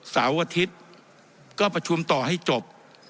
เสาร์อาทิตย์ก็ประชุมต่อให้จบ